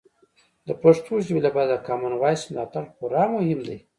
د پښتو ژبې لپاره د کامن وایس ملاتړ خورا مهم دی.